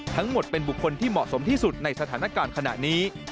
ทั้งหมดเป็นบุคคลที่เหมาะสมที่สุดในสถานการณ์ขณะนี้